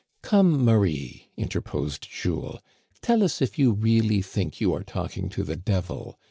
"Come, Marie," interposed Jules, "tell us if you really think you are talking to the devil